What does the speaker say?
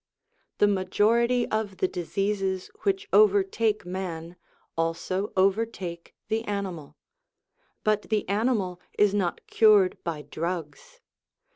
The majority of the diseases which overtake man also overtake the animal ; but the animal is not cured by drugs.